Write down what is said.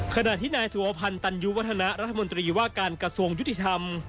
ขณะที่นายสุวพันธ์ตันยุวัฒนะรัฐมนตรีว่าการกระทรวงยุติธรรม